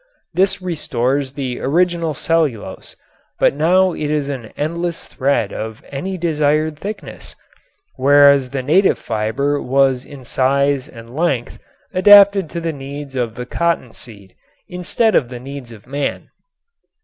This restores the original cellulose, but now it is an endless thread of any desired thickness, whereas the native fiber was in size and length adapted to the needs of the cottonseed instead of the needs of man.